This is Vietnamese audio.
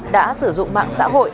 đã sử dụng mạng xã hội